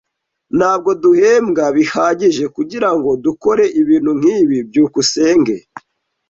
Ntabwo duhembwa bihagije kugirango dukore ibintu nkibi. byukusenge